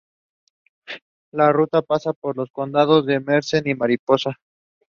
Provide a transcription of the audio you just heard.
Salinger's "The Catcher in the Rye".